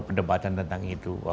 perdebatan tentang itu